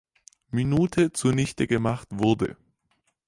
Minute zunichtegemacht wurde.